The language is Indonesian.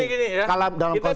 kita bicara undang undang